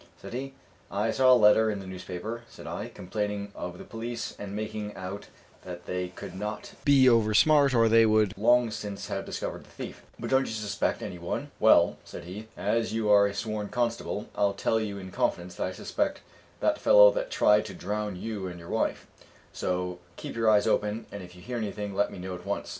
said he. "I saw a letter in the newspaper," said I, "complaining of the police, and making out that they could not be over smart, or they would long since have discovered the thief; but don't you suspect any one?" "Well," said he, "as you are a sworn constable, I'll tell you in confidence that I suspect that fellow that tried to drown you and your wife. So keep your eyes open, and if you hear anything let me know at once.